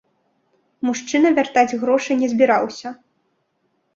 Мужчына вяртаць грошы не збіраўся.